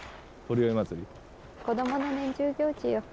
子供の年中行事よ。